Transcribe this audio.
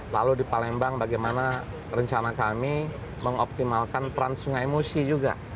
lalu di palembang bagaimana rencana kami mengoptimalkan peran sungai musi juga